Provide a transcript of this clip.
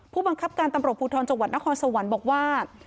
ผู้บังคับการตำรวจภูทรจังหวัดนครสวรรค์บอกว่า